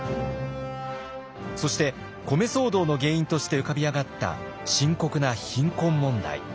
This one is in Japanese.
そして米騒動の原因として浮かび上がった深刻な貧困問題。